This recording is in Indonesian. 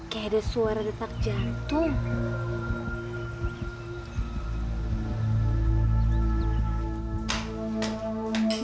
kayak ada suara detak jantung